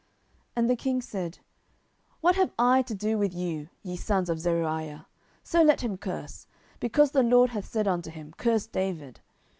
10:016:010 And the king said, What have I to do with you, ye sons of Zeruiah? so let him curse, because the LORD hath said unto him, Curse David.